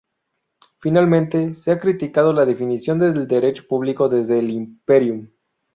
Finalmente, se ha criticado la definición del derecho público desde el "imperium".